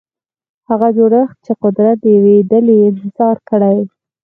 هغه جوړښت چې قدرت د یوې ډلې انحصار کړي.